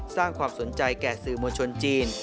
สร้างความสนใจแก่สื่อมวลชนจีน